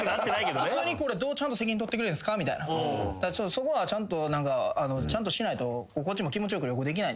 そこはちゃんとしないとこっちも気持ちよく旅行できない。